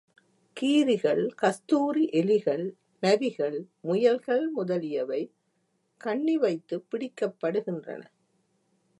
கீரிகள், கஸ்தூரி எலிகள், நரிகள், முயல்கள் முதலியவை கண்ணி வைத்துப் பிடிக்கப்படுகின்றன.